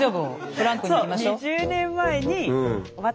フランクにいきましょう。